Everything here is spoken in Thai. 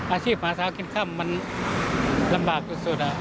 อาชีพหมาสาวกินข้ำมันลำบากสุดอ่ะ